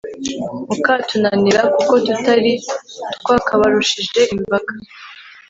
mukatunanira, kuko tutari twakabarushije imbaga